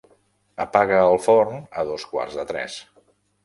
Apaga el forn a dos quarts de tres.